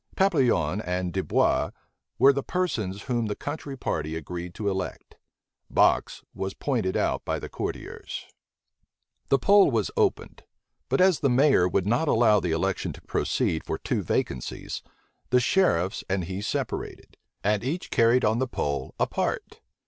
Papillon and Dubois were the persons whom the country party agreed to elect: Box was pointed out by the courtiers. The poll was opened; but as the mayor would not allow the election to proceed for two vacancies, the sheriffs and he separated, and each carried on the poll apart.